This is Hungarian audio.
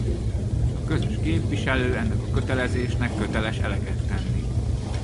A közös képviselő ennek a kötelezésnek köteles eleget tenni.